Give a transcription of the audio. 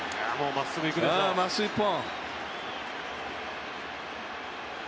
まっすぐ１本。